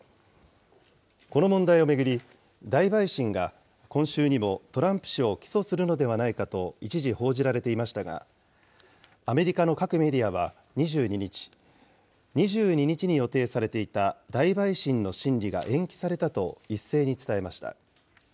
この問題を巡り、大陪審が今週にもトランプ氏を起訴するのではないかと一時報じられていましたが、アメリカの各メディアは２２日、２２日に予定されていた、大陪審の審理が延期されたと一斉に伝えました。